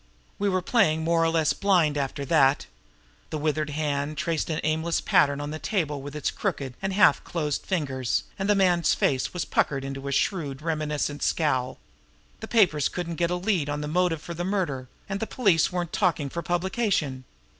"We were playing more or less blind after that." The withered hand traced an aimless pattern on the table with its crooked and half closed fingers, and the man's face was puckered into a shrewd, reminiscent scowl. "The papers couldn't get a lead on the motive for the murder, and the police weren't talking for publication.